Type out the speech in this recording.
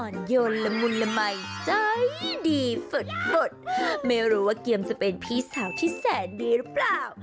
ยนละมุนละมัยใจดีฝดไม่รู้ว่าเกียมจะเป็นพี่สาวที่แสนดีหรือเปล่า